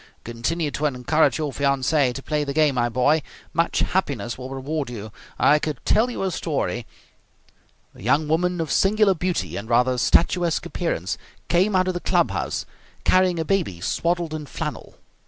Continue to encourage your fiancee to play the game, my boy. Much happiness will reward you. I could tell you a story " A young woman of singular beauty and rather statuesque appearance came out of the club house carrying a baby swaddled in flannel.